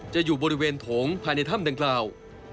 อยู่บริเวณโถงภายในถ้ำดังกล่าว